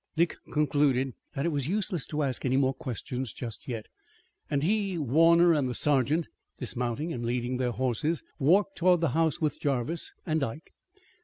Dick concluded that it was useless to ask any more questions just yet, and he, Warner and the sergeant, dismounting and leading their horses, walked toward the house with Jarvis and Ike.